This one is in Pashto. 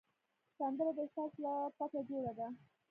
سندره د احساس له ټپه جوړه ده